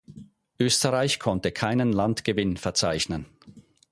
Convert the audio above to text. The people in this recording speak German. Österreich konnte keinen Landgewinn verzeichnen.